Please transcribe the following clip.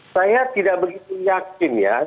saya tidak begitu yakin ya